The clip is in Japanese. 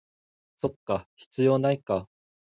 そっか、必要ないか